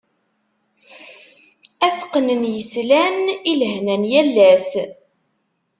Ad t-qnen yeslan, i lehna n yal ass.